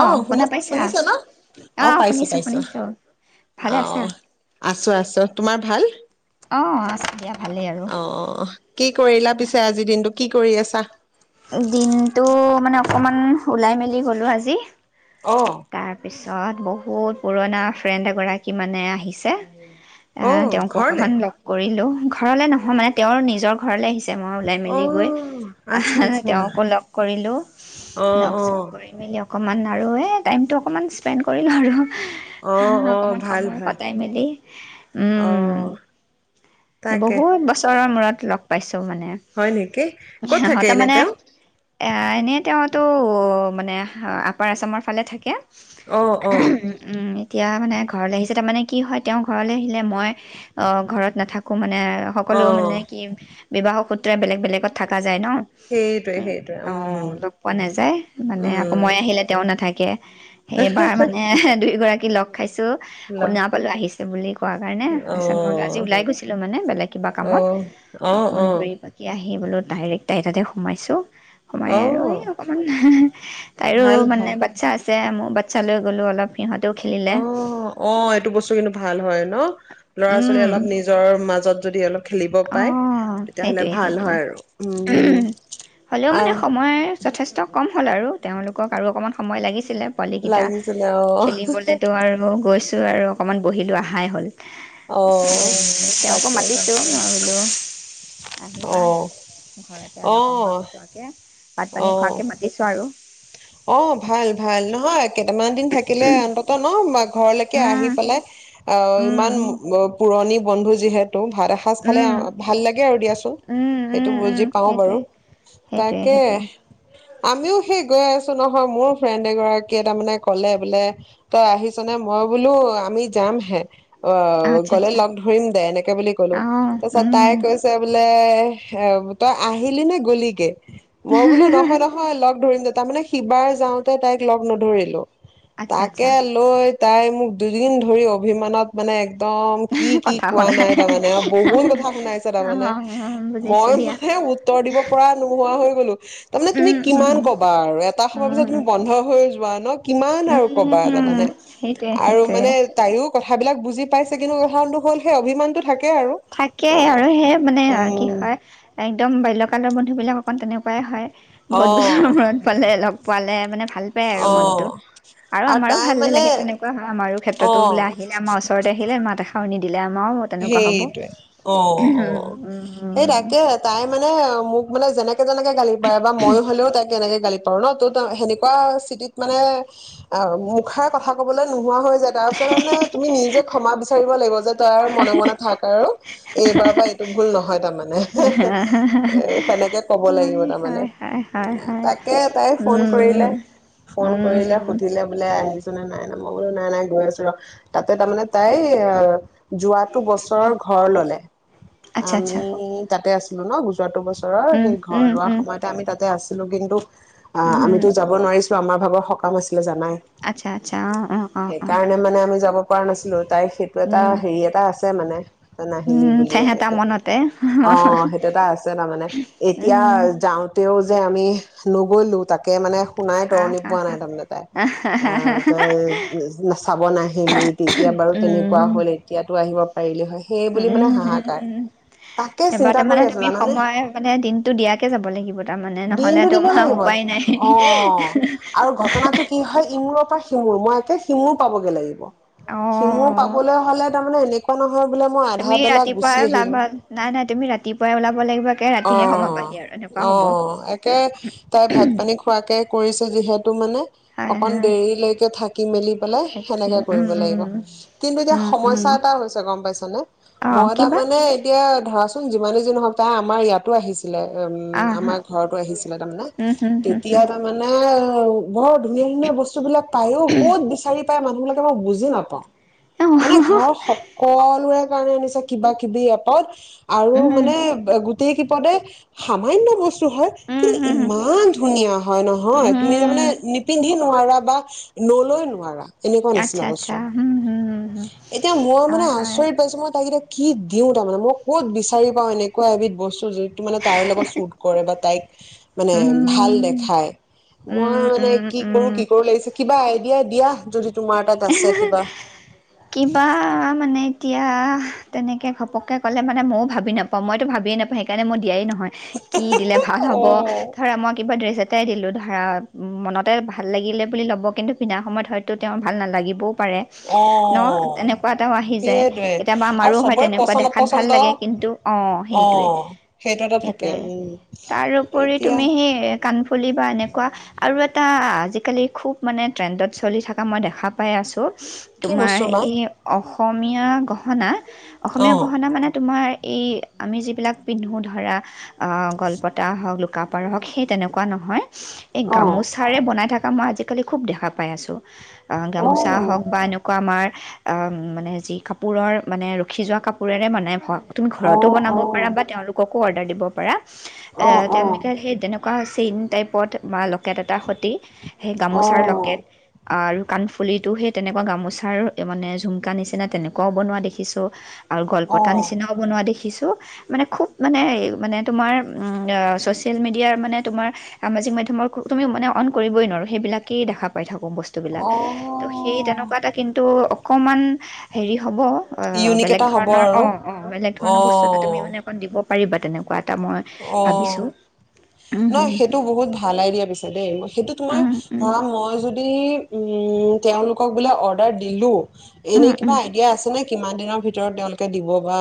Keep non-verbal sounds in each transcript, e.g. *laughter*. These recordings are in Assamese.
অ শুন শুনা পাইছা শুনিছা ন' অঁ অ'পাইছো, শুনিছোঁ পাইছো শুনিছোঁ ভালে আছা অ' আছো, আছো। তোমাৰ ভাল? অ' আছো দিয়া। ভালেই আৰু অ' কি কৰিলা পিছে আজি দিনটো? কি কৰি আছা? দিনটো মানে অকনমান ওলাই মেলি গলো আজি। অ তাৰপিছত ঘৰত বহুত পুৰণা ফ্ৰেণ্ড এগৰাকী মানে আহিছে। আ অ তেওঁক ঘৰলে অকমান লগ কৰিলো। ঘৰলৈ নহয় মানে তেওঁৰ নিজৰ ঘৰলৈ আহিছে। মই ওলাই অ মেলি গৈ আহ আচ্ছা আচ্ছা তেওঁকো লগ কৰিলো। অ অ লগ-চগ কৰি মেলি অকনমান আৰু এই টাইমটো অকণমান স্পেণ্ড কৰিলোঁ আৰু। অ অ অকনমান ভাল সময় ভাল কটাই মেলি অ উম তাকে বহুত বছৰৰ মূৰত লগ পাইছো। মানে হয় নেকি ক'ত থাকে সিহঁতৰ এনে মানে তেওঁ এ এনে তেওঁ টো মানে আপাৰ আছামৰ ফালে থাকে। অ অ উম। তেতিয়া মানে ঘৰলৈ আহিছে। তাৰমানে কি হয় তেওঁ ঘৰলৈ আহিলে মই ঘ অ' মানে অ সকলো মানে কি বিবাহক বেলেগ বেলেগত থাকা যায় ন। সেইটোৱে সেইটোৱে অ' উম লগ পোৱা নাযায় মানে আকৌ উম মই আহিলে তেওঁ নাথাকে এইবাৰ মানে দুই গৰাকী লগ ছো ল শুনা পালো আহিছে বুলি কোৱাৰ কাৰণে অ তাৰপিছত মই আজি ওলাই গৈছ ছিলোঁ মানে বেলেগ কিবা অ কামত, অ অ অকণমান ঘূৰি পাকি আহি বোলো ডাইৰেক্ট তাইৰ তাতে সোমাইছোঁ। সোমাই অ আৰু এই অকণমান, তাইৰো ভাল মানে ভাল বাচ্ছা আছ দে মোৰ বাচ্ছালৈ গ'লোঁ অলপ সিহঁতেও খেলিলে অ', অ', এইটো বস্তু কিন্তু ভাল হয়, ন? ল'ৰা ছোৱালী উম, অলপ নিজৰ যদ যদি খেলিব পায় অঁ তেতিয়াহ'লে সেইটোৱে ভাল সেইটোৱে হয়, আৰু, উম হ'লেও মানে সময় আহ যথেষ্ট কম হ'ল, আৰু তেওঁলোকক আৰু অকণমান সময় লাগি ছিলে পোৱালিকিটা লাগিছিলে অ', খেলিবলেতো আৰু গৈ আৰু অকণমান বহিলো আহাই হ'ল। অ'। তেওঁকো তাকে মাতিছো *inaudible* আহিবা অ', ঘৰতে অলপ সময় অ', কটোৱাকৈ ভাত পানী অ'। খোৱাকে মাতিছো আৰু। অ ভাল ভাল নহয় *unintelligible* কেইটামান দিন থাকিলে অন্তত ন বাক ঘৰলৈকে আহি উম, পেলাই অ' ইমান উম। *unintelligible* পুৰণি বন্ধু যিহেত *unintelligible* ভাত এসাঁজ খালে উম, ভাল লাগে আৰু দিয়া উম, *unintelligible* সেইটো উম, বুজ উম, পাওঁ বাৰু সেইটোৱে, সেইটোৱে, তাকে। সেইটোৱে। আমিও সেই গৈ আছো নহয় মোৰ ফ্ৰেণ্ড এগৰাকীয়ে তাৰ মানে ক'লে বোলে তই আহিছ নে, মই বোলো আমি যাম হে অ' আচ্ছা, গলে আচ্ছা। লগ ধৰিম দে এনেকে বুলি ক'লো, অ', তাৰ পিছত উম, তাই কৈছে বোলে এ তই আহিলি নে গলিগে? মই বোলো নহয়-নহয় লগ *unintelligible* ধৰিম দে, তাৰ মানে সিবাৰ যাওঁতে তাইক লগ নধৰিলো আচ্ছা, আচ্ছা, তাকে লৈ তাই মোক দুদিন ধৰি অভিমানত মানে একদম কি কি কথা কোৱা শুনা। নাই তাৰমানে, বহুত কথা শুনাইছে অ', তাৰমানে, অ', বুজিছো মই দিয়া। মানে উত্তৰ দিব পৰা নোহোৱা হৈ তাৰ মানে তুমি উম, উম, কিমান *unintelligible* ক'বা আৰু এটা সময় পিছত উম, *unintelligible* বন্ধ হৈ *unintelligible* কিমান আৰু ক'বা উম, তামানে সেইটোৱে, আৰু সেইটোৱে। মানে তাইৰো কথাবিলাক বুজি পাইছে ন'। কিন্তু কাৰণটো হ'ল সেই অভিমানতটো থাকে আৰু থাকেই অ আৰু সেই মানে কি উম হয় একদম বাল্যকালৰ বন্ধু বিলাক অকন তেনেকুৱা। *unintelligible* অ বহুত বছৰৰ মূৰত পালে লগ পালে। ভাল পায় আৰু অ মনটো আৰু আমাৰো তাই ভাল মানে লাগে তেনেকুৱা হয় আমাৰো ক্ষেত্ৰতো অ বোলে আহিলে আমাৰ ওচৰতে আহিলে মাত এষাৰ *unintelligible* *unintelligible* আমাৰো তেনেকুৱা হ'ব হয় অ'-অ' সেই তাকে তাই মানে মোক মানে যেনে *unintelligible* যেনেকে গালি পাৰে বা মই হলেও তাইক তেনেকে গালি *unintelligible* সেনেকুৱা চিটিত মানে আ মুখাৰ কথা ক নোহোৱা হৈ যায় তাৰ পিছত মানে তুমি নিজে ক্ষমা বিচাৰিব লাগিব যে তই আৰ মনে মনে থাক আৰু এইবাৰ পৰা আৰুএইটো ভুল নহয় তাৰমানে। সেনেকে কব লাগিব তাৰমানে। হয় হয় হয় হয় তাকে তাই ফোন উম কৰিলে ফোন কৰিলে উম সুধিলে বোলে আ নাই, নাই মই বোলো নাই, নাই গৈ আছোঁ ৰ'হ। তাতে তাৰমানে তাই আ যোৱাটো বছৰ ঘৰ ল'লে আচ্ছা আচ্ছা আমি তাতে আছিলো। *unintelligible* যোৱাটো বছৰৰ উম সেই ঘৰ উম লোৱাৰ উম সময়তে আমি তাতে আছোঁ। *unintelligible* অ' উম আমিতো যাব নোৱাৰিছো। আমাৰ ভাগৰ সকাম হৈছে জানাই আচ্ছা আচ্ছা অ অ অ অ সেইকাৰণে মানে আমি যাব পৰা নাছিলো তাই সেইটো উম এটা আছে মানে নাহিলি উম বুলি ঠেহেতা এনেকে মনতে অ সেইটো এটা আছে তাৰমানে এতিয়া উম যাওঁতেও *unintelligible* আমি নগ'লো তাকে মানে শুনাই আহ তৰণি হা পোৱা হা নাই তাৰমানে তাই। আ তই চাব নাহিলি তেতিয়া বাৰু কেনেকুৱা উম হ'ল এ তই আহিব পাৰিলি হয়। সেই বুলি মানে হাহাকাৰ উম তাকে এবাৰ চিন্তা কৰি তাৰমানে আছো তুমি জানানে সময় মানে দিনটো দিয়াকে যাব লাগিব তাৰমানে নহ'লে দিনটো দিব তোমাৰ লাগিব উপায় নাই অ আৰু ঘটনাটো কি হয় ইমুৰৰ পৰা সিমূুৰ মই একে সিমূুৰ পাবগ লাগিব। সিমূৰ অ পাবলৈ হ'লে তাৰমানে এনেকুৱা মা তুমি ৰাতিপুৱাই ওলাবা নাই নাই তুমি ৰাতিপুৱাই ওলাব লাগিব একে অ ৰাতিহে সময় পাহি আৰু এনেকুৱা অ একে তাই ভাত হব পানী খোৱাকে কৰিছে যিহেত তো মানে, হয় অকন হয় দেৰিলৈকে থাকি মেলি পেলাই তাকে সেনেকে উম কৰিব লাগিব। কিন্তু এতিয়া উম উম উম সমইছ- এটা হৈছে গম পাইছানে, অ মই কিবা তাৰমানে এতিয়া ধয়াচু যিমানে যি নহক, তাই আমাৰ ইয়াতো আহিছে। লে এম আহ হা আমাৰ ঘৰতো আহিছিলে তাৰমানে উম হুম হুম হুম তেতিয়াই তাৰমানে অ বৰ ধুনীয়া ধুনীয়া বস্তুবিলাক পায় ও ক'ত বিচাৰি প মানুহবিলাকক মই বুজি নাপাওঁ উম মানে ঘৰৰ সকলোৱে কাৰণ আনিছো কিবা কিবি এপত আৰু মানে বে গোট *unintelligible* পদে সামান্য বস *unintelligible* হয় উম কিন্তু হুম ইমান ধুনীয়া হয় নহয়, তুমি তাৰমানে উম নিপিন্ধি নোৱাৰা বস্ক্স নলৈ নোৱাৰা। এনেকুৱা আচ্ছা নিচিনা আচ্ছা বস্তু হম, হম, হম, হম। এতিয়া মই মানে আচৰিত পাইছোঁ মই তাইক এতিয়া কি দিওঁ তাৰ মানে মই ক'ত বিচাৰি পাওঁ এনেকুৱা এবিধ বস্তু যিটো মানে তাইৰ লগত শ্বুট কৰে বা তাইক মানে ভাল উম দেখায়। মই উম মানে উম কি উম কৰো, কি কৰো লাগিছে কিবা আইডিয়া দিয়া যদি তোমাৰ তাত আছে কিবা কিবা মানে এতিয়া তেনেকে ঘপকে ক'লে মানে ময়ো ভাবি নাপাওঁ মইতো ভাবিয়ে নাপাওঁ সেইকাৰণে মই দিয়াই নহয় কি দিলে ভাল হ'ব, অ ধৰা মই কিবা ড্ৰেছ এ এটাই দিলো ধৰা মনতে ভাল লাগিলে বুলি ল'ব কিন্তু পিন্ধা সময়ত হয়তো তেওঁ ভাল নালাগিবও পাৰে। ন অ', তেনেকুৱা এটাও আহি যায় সেইটোৱে কেতিয়াবা আৰু আমাৰো হয়, চবৰে তেনেকুৱা পচন্দ দেখাত ভাল অপচন্দ লাগে কিন্তু অ', সেইটোৱেই অ', সেইটো এটা থাকে সেইটোৱেই উম, তাৰউপৰি এতিয়া তুমি সেই কাণফুলি বা এনেকুৱা আৰু এটা আজিকালি খুব মানে ট্ৰেণ্ডত চলি থকা মই দেখা পাই আছোঁ। কি তোমাৰ বস্তু মা এই অস অসমীয়া গহনা অসমীয়া অ'। গহনা মানে তোমাৰ এই আমি যিবিলাক পিন্ধো ধৰা আ, গলপতা হওঁক, লোকাপাৰ হওঁক, সেই তেনেকুৱা নহয় এই অ গামোচাৰে বনাই থাকা মই আজি কালি খুব দেখা পাই আছোঁ। অ গামোচা হওঁক বা এনেকুৱা আমাৰ অ'মানে যি কাপোৰৰ মানে ৰখি যোৱা কাপোৰেৰে বনাই তুমি অ অ ঘৰতো বনাব পাৰা বা অ তেওঁলোককো কো অৰ্ডাৰ দিব পাৰা। এ অ তেওঁলোকে সেই তেনেকুৱা পিন টাইপত বা লকেট এটা সতি সেই অ গামোচাৰ লকেট আৰু কাণফুলিটো সেই তেনেকুৱা গামোচাৰ মানে ঝুমকা নিচিনা তেনেকুৱাও বনোৱা দেখিছোঁ। আৰু অ গলপতা নিচিনাও বনোৱা দেখিছো। এইটো মানে খুব মানে মানে তোমাৰ ছ'চিয়েল মিডিয়াৰ মানে তোমাৰ সামাজিক মাধ্যমৰ তুমি মানে অন কৰিবই নোৱাৰোঁ সেইবিলাকেই দেখা পাই থাকোঁ। কম বস্তু বিলাক অ ত সেই তেনেকুৱা এটা কিন অ হ হ'ব ইউনিক বেলেগ এটা হ'ব ধৰণৰ আৰু অ', অ' বেলেগ ধৰণৰ বস্তু এটা তুমি অ', মানে অকমান দিব পাৰিবা তেনেকুৱা এটা মই অ' ভাবিছোঁ উম নহ সেইটো বহুত ভাল আইডিয়া পিছে দেই সেইটো তোমাক হুম উম উম ধৰা মই যদি যদি তেওঁলোকক বোলে অৰ্ডাৰ দিলোঁ উম এনেই কিবা উম আইডিয়া আছে নে কিমান দিনৰ ভিতৰত তেওঁলোকে দিব বা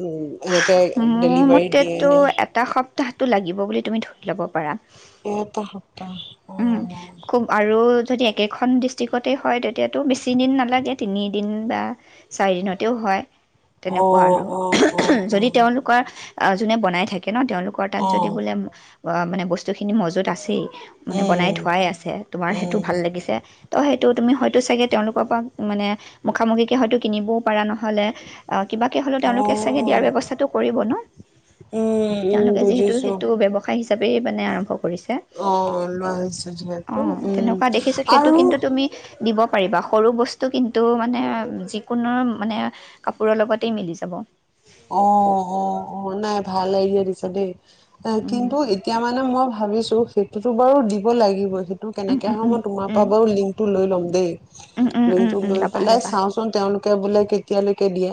উম, এনেকে মোৰ দেলিভাৰী মতেতো দিয়েনে। এটা সপ্তাহটো লাগিব বুলি তুমি ধৰি ল'ব পাৰা। এটা সপ্তাহ অ'। উম খুব আৰু যদি একেখন ডিষ্ট্ৰিকতে হয় তেতিয়াতো বেছিদিন নালাগে তিনিদিন বা চাৰিদিনতেও হয়। তেনেকুৱা অ', আৰু অ', অ'। অ যদি তেওঁলোকৰ যোনে বনাই থাকে ন তেওঁলোকৰ তাত অ যদি বোলে মানে বস্তুখিনি মজুত আছেই। মানে বনাই উম থোৱাই আছে তোমাৰ সেইটো উম ভাল লাগিছে তো সেইটো তুমি হয়তো চাগে তেওঁলোকৰ পৰা মানে মুখামুখিকৈ হয়তো কিনিবও পাৰা নহ'লে কিবাকে হ'লেও অ তেওঁলোকে *unintelligible* উম উম তেওঁলোকে যিহেতু বুজিছো সেইটো ব্যৱসায় হিচাপেই মানে আৰম্ভ কৰিছে। অ লোৱা হৈছে যিহেতু অ' উম তেনেকুৱা দেখিছো সেইটো আৰু কিন্তু তুমি দিব পাৰিবা সৰু বস্তু কিন্তু মানে যিকোনো মানে কাপোৰৰ লগতেই মিলি যাব। অ অ অ নাই ভাল আইডিয়া দিছা দেই। এ কিন্তু এতিয়া মানে মই ভাবিছো ত' সেইটোতো বাৰু দিব লাগিবেই ত' উম কেনেকে উম হয় উম মই তোমাৰ উম পৰা বাৰু লিংকটো লৈ ল'ম। দেই। উম উম উম লিংকটো উম লৈ ল'বা পেলাই ল'বা চাওঁচোন তেওঁলোকে বোলে কেতিয়ালৈকে দিয়ে।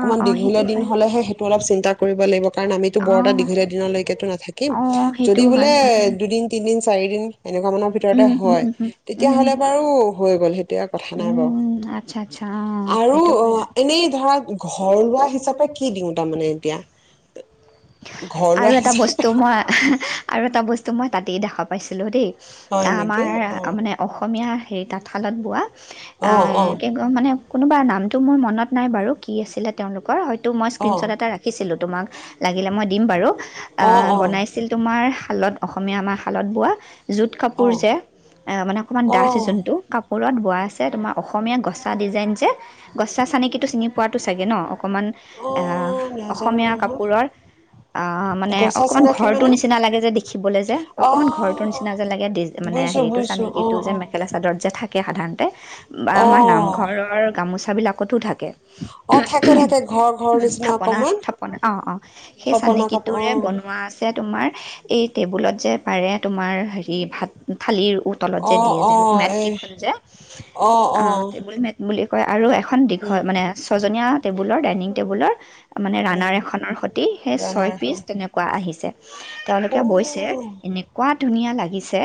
অ', অ' দীঘলীয়া সেইটো দিন হয়। হ'লেহে সেইটো অলপ চিন্তা কৰিব লাগিব। কাৰণ আমিতো অ বৰ এটা দীঘলীয়া দিনলৈকেটো নাথাকিম। অ যদি সেইটো হয় বোলে উম দুদিন তিনদিন চাৰিদিন এনেকুৱা মানৰ ভিতৰতে উম উম হয় হম হম উম তেতিয়াহ'লে বাৰু হৈ গ'ল সে এতিয়া কথা নাই উম বাও উম, আচ্ছা আচ্ছা অ আৰু সেইটো কৰা অ', এনেই ধৰা ঘৰ লোৱা হিচাপে কি দিওঁ তাৰ মানে এতিয়া? ঘৰুৱা আৰু এটা হিচাপে বস্তু মই আৰু এটা বস্তু মই তাতেই দেখা পাইছিলোঁ, দেই। হয় আমাৰ নেকি অ মানে অসমীয়া হেৰি তাঁতশালত বোৱা। অ অ *unintelligible* মানে কোনোবা নামটো মোৰ মনত নাই বাৰু কি আছিলে তেওঁলোকৰ হয় তোৰ মই অ স্ক্ৰীণস্বৰ্ট এটা ৰাখিছিলোঁ তোমাক লাগিলে মই দিম বাৰু, আ অ বনাইছিল তোমাৰ শালত অসমীয়া আমাৰ শালত বোৱা জোত অ অ কাপোৰ যে, এ‌ মানে অকণমান অ ডাঠ যোনটো কাপ বোৰত বোৱা আছে, তোমাৰ অসমীয়া গছা ডিজাইন যে, গছা চানকিটো চিনি পোৱাটো চাগে ন? অকমান অ', নাজানো অসমীয়া নহয় কাপোৰৰ অ', মানে গছা অকণমান চিনাকি ঘৰটোৰ মানে নিচিনা লাগে যে, দেখিবলৈ যে, অ অকণমান ঘৰটোৰ নিচিনা যে, লাগে মানে বুজিছো হেৰিটো বুজিছো অ চানেকিটো যে, অ মেখেলা চাদৰত যেন থাকে সাধাৰণতে বা অ আমাৰ নামঘৰৰ গামোচা বিলাকতো থাক অ থাকে থাকে ঘৰ ঘৰ নিচিনা অকমান থাপনা-থাপনা, অ, অ। সেই থপনা কাপোৰ চানেকীটোৰে বনোৱা আছে তোমাৰ এই টেবুলত যে পাৰে, তোমাৰ হেৰি, ভাত, থালিৰ তলত অ যে, দিয়ে অ যে, অ মেট এই কিখন যে, অ', টেবুল মেট বুলি কয় আৰু এ এখন দীঘ উম মানে ছজনীয়া টেবুলৰ ডাইনিং টেবুলৰ মানে ৰানাৰ উম এখনৰ সতি এ ছয় ৰানাৰ পিচ হাঁহ। তেনেকুৱা। আহিছে। তেওঁলোকে বৈছে, এনেকুৱা ধুনীয়া লাগ দিছে।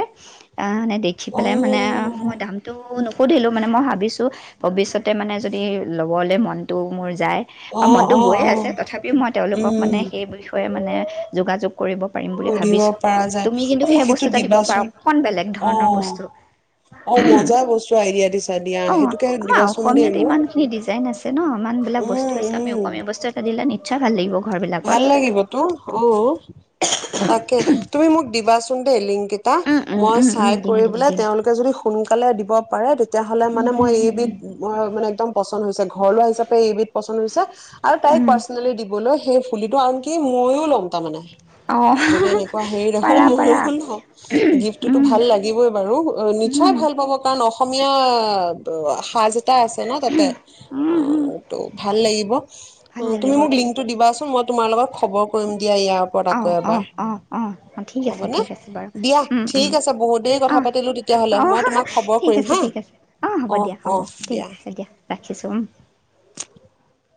তাৰ মানে দেখি অ অ পেলাই মানে মই দামটো সুধিলোঁ মানে মই ভাবিছোঁ ভৱিষ্যতে মানে যদি, ল'বলৈ মনটো মোৰ যায় অ বা মনটো অ গৈ অ আছে। তথাপিও মই তেওঁলোকক মানে উম *unintelligible* মানে যোগাযোগ কৰিব পাৰিম বুলি সুধিব ভাবিছোঁ। পৰা যায় তুমি কিন্তু অ মোক সেই বস্তু সেইটো এটা দিব পাৰা, দিবাচোন অকমান বেলেগ অ ধৰণৰ বস্তু অ মজাৰ বস্তু আইডিয়া দিছা দিয়া অ সেইটোকে আমাৰ দিবাচোন দেই অসমীয়তে মোক ইমান খিনি ডিজাইন আছে। ন ইমানবিলাক বস্তু উম আছে। আমি উম অসমীয়া বস্তু এটা দিলে নি আচ্ছা ভাল লাগিব। ঘৰবিলাকত ভাল লাগিবতো, অ তাকে তুমি মোক দিবাচন দে, লিংক কিতা উম, উম, মই উম, উম, চাই‌‌ দিম, কৰি দিম, পেলাই দিম, তেওঁলোকে যদি সোনকালে দিব পাৰে, তেতিয়াাহলে উম, মানে হম, মই হম, এইবিধ ম মানে একম পচন্দ হৈছে। ঘৰ লোৱা হিচাপে এইবিধ পচ *unintelligible* আৰু তাইক উম, পাৰ্চনেলি দিবলৈ সেই ফুলিটো আন কি মইয়ও ল'ম, তাৰমানে অ', যদি এনেকুৱা হেৰি ৰাখো পাৰা, পাৰা, ময়ও লম। গিফ্টটোতো উম, ভাল লাগিবই বাৰু নিশ্চয় উম, ভাল পাব, কাৰণ অস অসমীয়া ভাঁজ‌ এটা আছে ন তাতে, উম, হম, *unintelligible* ভাল লাগিব। ভাল তুমি মোক লাগিবতো লিংকটো দিবা চোন। মই তোমাৰ লগত খবৰ কৰিম। আকৌ এবাৰ। অ-অ-অ-অ-অ ঠিক হ'বনে? আছে-ঠিক আছে বাৰু দিয়া উম- ঠিক উম আছে বহুত দেৰি কথা অ- পাতিলো তেতিয়াহ'লে অ মই তোমাক খবৰ ঠিক কৰিম আছে হা। -ঠিক আছে অ হ'ব দিয়া। হ'ব ঠিক আছে দিয়া ৰাখিছোঁ উম।